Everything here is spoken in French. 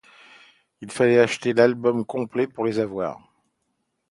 Il fallait acheter l'album complet pour les avoir.